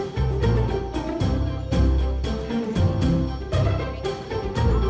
เพื่อนรับทราบ